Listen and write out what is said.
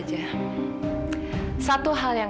jangan akufoolnl phrase